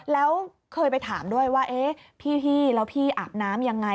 แล้วเคยไปถามด้วยว่าเอ๊ะพี่แล้วพี่อาบน้ำยังไง